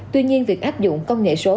tuy nhiên việc áp dụng công nghệ số